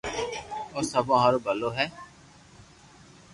او سبو ھارو ڀلو ھي